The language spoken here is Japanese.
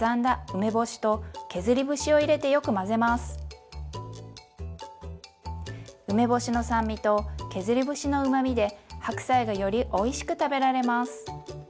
梅干しの酸味と削り節のうまみで白菜がよりおいしく食べられます。